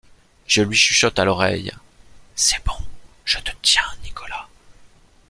Je lui chuchote à l’oreille: — C’est bon, je te tiens, Nicolas.